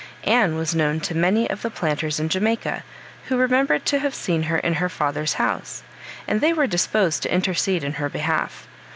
Anne was known to many of the planters in Jamaica, who remembered to have seen her in her father's house, and they were disposed to intercede in her behalf.